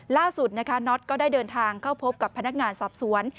ล่าสุดนะคะน็อตก็ได้เดินทางเข้าพบกับพนักงานสอบสวน